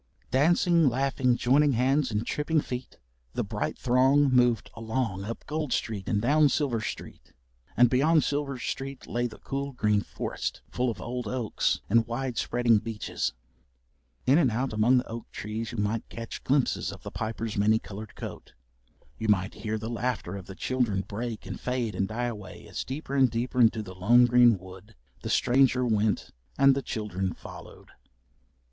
Dancing, laughing, joining hands and tripping feet, the bright throng moved along up Gold Street and down Silver Street, and beyond Silver Street lay the cool green forest full of old oaks and wide spreading beeches. In and out among the oak trees you might catch glimpses of the Piper's many coloured coat. You might hear the laughter of the children break and fade and die away as deeper and deeper into the lone green wood the stranger went and the children followed.